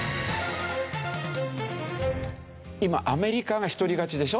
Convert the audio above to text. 今アメリカが一人勝ちでしょ？